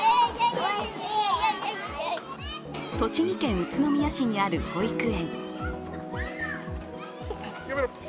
栃木県宇都宮市にある保育園。